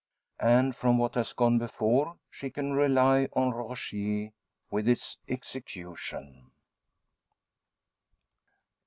And from what has gone before, she can rely on Rogier with its execution.